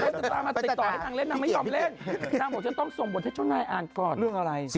เรื่องอะไรเรื่องอะไรชม